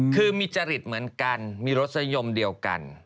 คือมีจริตเหมือนกันมีรสนิยมเดียวกัน